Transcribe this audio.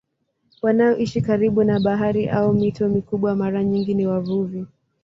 Wanaoishi karibu na bahari au mito mikubwa mara nyingi ni wavuvi.